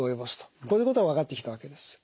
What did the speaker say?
こういうことが分かってきたわけです。